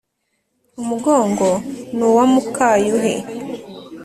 umugongo ni uwa muka-yuhi